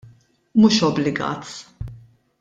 Mhux obbligat.